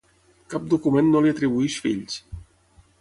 Cap document no li atribueix fills.